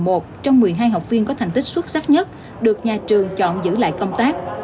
một trong một mươi hai học viên có thành tích xuất sắc nhất được nhà trường chọn giữ lại công tác